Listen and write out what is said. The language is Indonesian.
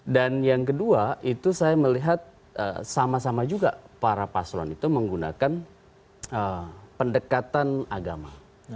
dan yang kedua itu saya melihat sama sama juga para paslon itu menggunakan pendekatan agama